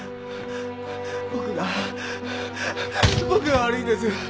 僕が僕が悪いんです。